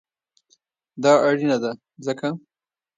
دا اړینه ده ځکه: